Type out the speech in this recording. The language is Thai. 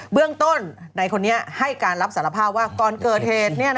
เรื่องต้นในคนนี้ให้การรับสารภาพว่าก่อนเกิดเหตุ